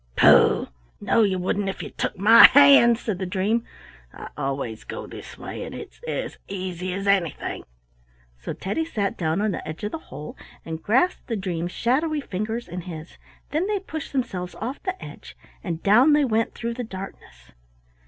"Pooh! No, you wouldn't if you took my hand," said the dream. "I always go this way, and it's as easy as anything." So Teddy sat down on the edge of the hole, and grasped the dream's shadowy fingers in his. Then they pushed themselves off the edge, and down they went through the darkness.